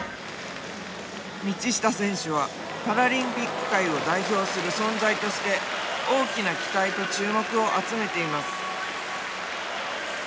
道下選手はパラリンピック界を代表する存在として大きな期待と注目を集めています。